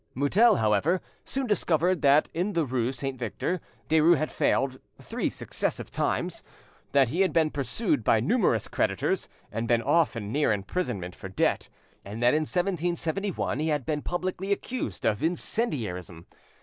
Mutel, however, soon discovered that in the rue Saint Victor, Derues had failed—three successive times, that he had been pursued by numerous creditors, and been often near imprisonment for debt, and that in 1771 he had been publicly accused of incendiarism.